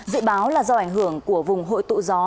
dự báo là do ảnh hưởng của vùng hội tụ gió